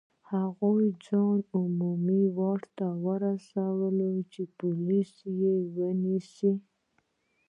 هغوی ځان عمومي واټ ته ورسول چې پولیس یې ونیسي.